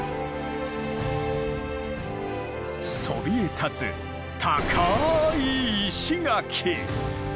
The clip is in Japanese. そびえ立つ高い石垣。